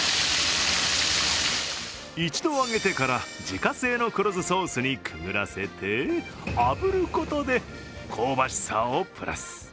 一度揚げてから、自家製の黒酢ソースにくぐらせてあぶることで香ばしさをプラス。